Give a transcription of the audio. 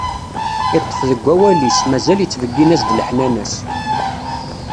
Iṭṭef deg wawal-is, mazal ittbeggin-as-d leḥnana-s.